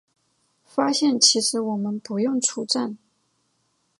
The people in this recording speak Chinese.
发现其实我们不用出站